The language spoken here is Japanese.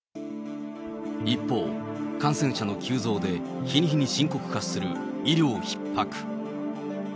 一方、感染者の急増で日に日に深刻化する医療ひっ迫。